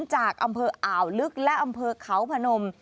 จากอำเภออ่าวลึกและอำเภอเขาพนม